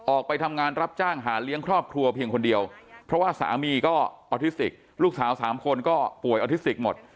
ออกไปทำงานรับจ้างหาเลี้ยงครอบครัวเพียงคนเดียวเพราะว่าสามีก็ออทิสติกลูกสาว๓คนก็ป่วยออทิสติกหมด